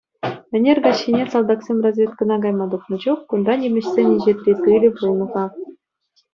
Ӗнер каҫхине, салтаксем разведкӑна кайма тухнӑ чух, кунта нимӗҫсен инҫетри тылӗ пулнӑ-ха.